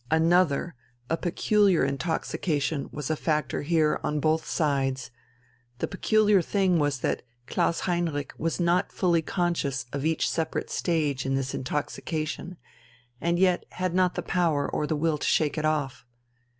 Another, a peculiar intoxication, was a factor here on both sides. The peculiar thing was that Klaus Heinrich was fully conscious of each separate stage in this intoxication, and yet had not the power or the will to shake it off.